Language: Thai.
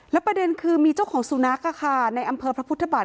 แล้วประเด็นคือมีเจ้าของสูนักอ่ะค่ะในอำเภอพระพุทธบาล